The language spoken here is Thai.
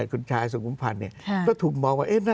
คุณชายสงุมพันธุ์เนี่ยค่ะก็ถูกมองว่าเอ๊ะ